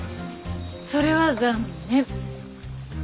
それは残念。